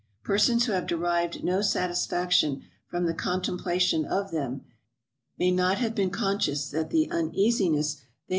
Persons who have derived no satisfaction from the contemplation of them, may not have been conscious that the uneasiness they ex VOL.